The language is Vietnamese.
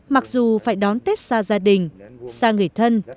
mặc dù phải đón tết xa gia đình xa người thân